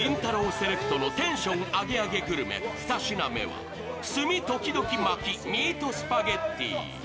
セレクトのテンションアゲアゲグルメ２品目は炭トキドキ薪ミートスパゲティ。